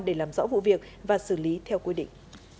để làm rõ vụ việc và xử lý theo quy định